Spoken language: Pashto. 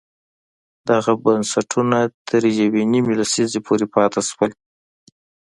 دغه بنسټونه تر یوې نیمې لسیزې پورې پاتې شول.